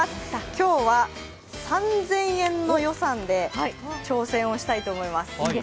今日は３０００円の予算で挑戦をしたいと思います。